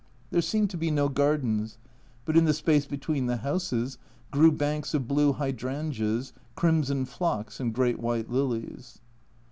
There seemed to be no gardens, but in the space between the houses grew banks of blue hydrangeas, crimson phlox, and great white lilies.